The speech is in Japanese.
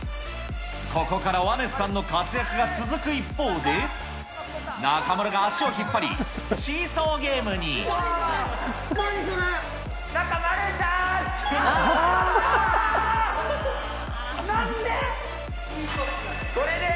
ここからワネスさんの活躍が続く一方で、中丸が足を引っ張り、何それ。